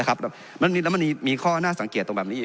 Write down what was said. นะครับมันมีแต่มันมีค่อนภาษาสังเกตตรงแบบนี้